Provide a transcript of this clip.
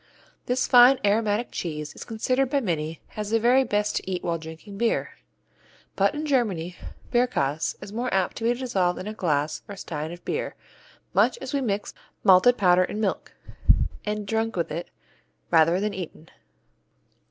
This fine, aromatic cheese is considered by many as the very best to eat while drinking beer. But in Germany Bierkäse is more apt to be dissolved in a glass or stein of beer, much as we mix malted powder in milk, and drunk with it, rather than eaten.